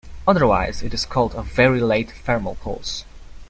Otherwise it is called a "very late thermal pulse".